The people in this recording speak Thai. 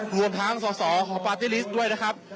รวมทางส่อของปาร์ติฤทธิ์ด้วยนะครับ